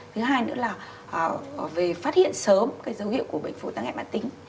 thứ hai nữa là về phát hiện sớm cái dấu hiệu của bệnh phổi tác hệ mạng tính